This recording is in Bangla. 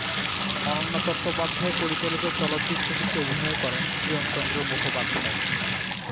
অনন্যা চট্টোপাধ্যায় পরিচালিত চলচ্চিত্রটিতে অভিনয় করেন কিরণচন্দ্র মুখোপাধ্যায়।